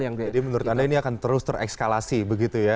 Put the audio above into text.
jadi menurut anda ini akan terus terekskalasi begitu ya